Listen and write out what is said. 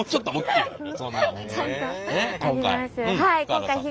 ちゃんとあります。